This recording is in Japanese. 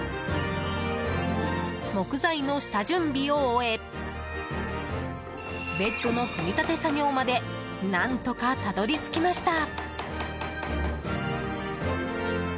木材の下準備を終えベッドの組み立て作業まで何とか、たどり着きました。